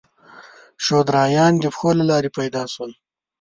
شودرایان د پښو له لارې پیدا شول.